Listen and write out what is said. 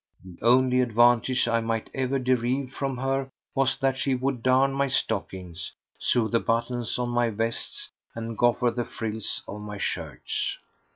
The only advantage I might ever derive from her was that she would darn my stockings, sew the buttons on my vests, and goffer the frills of my shirts!